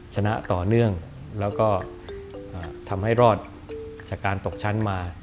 ชนะต่อเนื่องแล้วก็ทำให้รอดจากการตกชั้นมา